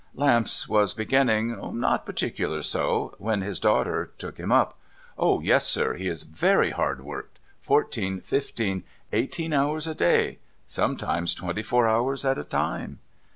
Lamps was beginning, * Not particular so '— when his daughter took him up. ' Oh yes, sir, he is very hard worked. Fourteen, fifteen, eighteen hours a day. Sometimes twenty four hours at a time.'